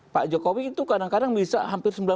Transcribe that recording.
pak jokowi itu kadang kadang bisa hampir